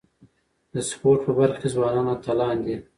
د سپورت په برخه کي ځوانان اتلان دي.